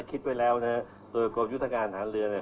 ผมคิดไว้แล้วนะครับโรยกรมยุติการฐานเรือนเนี่ย